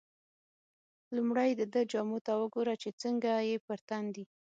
لومړی دده جامو ته وګوره چې څنګه یې پر تن دي.